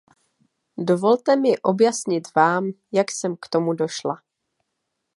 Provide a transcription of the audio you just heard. Dovolte mi objasnit vám, jak jsem k tomu došla.